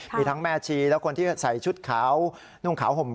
มีทั้งแม่ชีและคนที่ใส่ชุดขาวนุ่งขาวห่ม